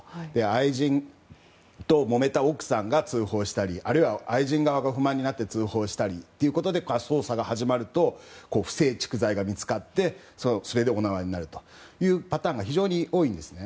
愛人ともめた奥さんが通報したりあるいは、愛人側が不満になって通報したりということで捜査が始まると不正蓄財が見つかってそれでお縄になるというパターンが非常に多いんですね。